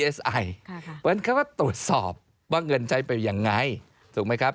เพราะฉะนั้นเขาก็ตรวจสอบว่าเงินใช้เป็นยังไงถูกไหมครับ